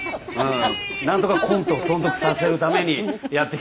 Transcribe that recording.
なんとかコントを存続させるためにやってきたので。